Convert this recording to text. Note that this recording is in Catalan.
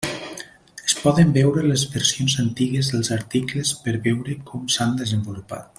Es poden veure les versions antigues dels articles per veure com s'han desenvolupat.